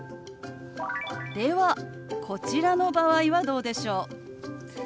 ではこちらの場合はどうでしょう？